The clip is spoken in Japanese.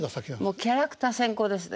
もうキャラクター先行ですね。